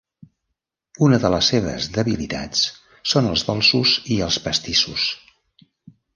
Una de les seves debilitats són els dolços i els pastissos.